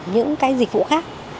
những cái dịch vụ khác